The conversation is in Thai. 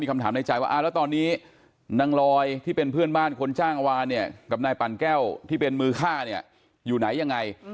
คำถามในใจว่าแล้วตอนนี้นางลอยที่เป็นเพื่อนบ้านคนจ้างวานเนี่ยกับนายปั่นแก้วที่เป็นมือฆ่าเนี่ยอยู่ไหนยังไง